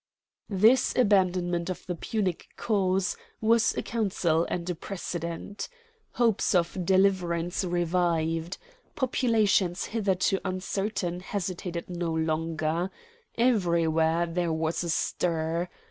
This abandonment of the Punic cause was a counsel and a precedent. Hopes of deliverance revived. Populations hitherto uncertain hesitated no longer. Everywhere there was a stir.